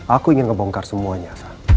aku ingin ngebongkar semuanya